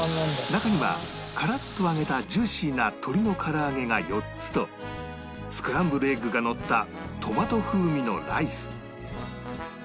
中にはカラッと揚げたジューシーな鶏のから揚げが４つとスクランブルエッグがのったトマト風味のライス